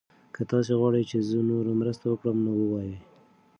که تاسي غواړئ چې زه نوره مرسته وکړم نو ووایئ.